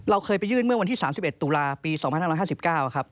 เคยไปยื่นเมื่อวันที่๓๑ตุลาปี๒๕๕๙ครับ